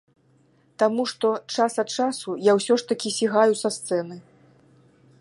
Таму што час ад часу я ўсё ж такі сігаю са сцэны.